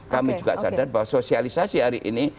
kami juga sadar bahwa sosialisasi hari ini